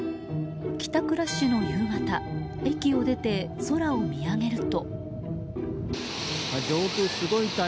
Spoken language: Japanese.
帰宅ラッシュの夕方駅を出て空を見上げると。